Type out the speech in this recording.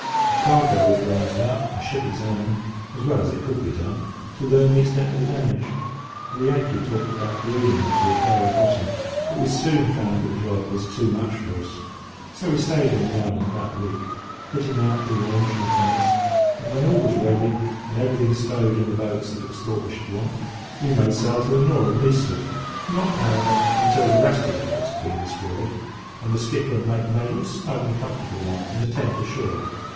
"The cargo was roused out, and the ship examined, as well as it could be done, to learn the extent of the damage, for the Yankee talked about careening her to repair her bottom; but we soon found that the job was too much for us. So we stayed on the island about a week, fitting out the launch and the pinnace; and when all was ready, and everything stowed in the boats that it was thought we should want, we made sail to the nor'ard and east'ard; not, however, until the rest of the boats had been destroyed, and the skipper and mate made all snug and comfortable like in a tent ashore."